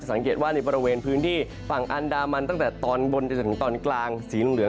สังเกตว่าในบริเวณพื้นที่ฝั่งอันดามันตั้งแต่ตอนบนจนถึงตอนกลางสีเหลือง